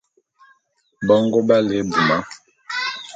Bongo b'á lé ebuma.